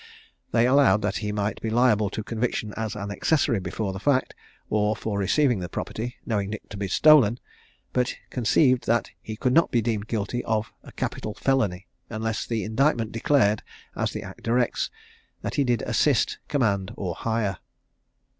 They allowed that he might be liable to conviction as an accessory before the fact, or for receiving the property, knowing it to be stolen; but conceived that he could not be deemed guilty of a capital felony, unless the indictment declared (as the act directs) that he did assist, command, or hire.